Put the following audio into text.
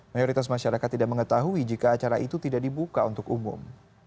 mayoritas masyarakat tidak mengetahui jika acara itu tidak dibuka untuk umum